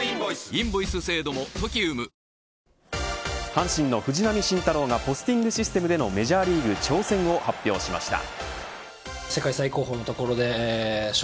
阪神の藤波晋太郎がポスティングシステムでのメジャーリーグ挑戦を発表しました。